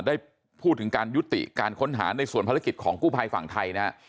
ได้พูดถึงการยุติการค้นหาในส่วนภารกิจของกู้ภัยฝั่งไทยนะฮะ